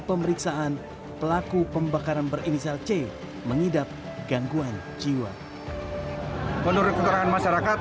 pemeriksaan pelaku pembakaran berinisial c mengidap gangguan jiwa menurut keterangan masyarakat